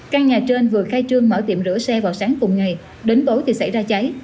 căn nhà trên vừa khai trương mở tiệm rửa xe vào sáng cùng ngày đến tối thì xảy ra cháy